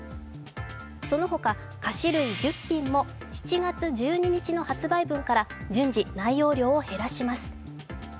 その他、菓子類１０品も７月１２日の販売分から順次、内容量を減らします。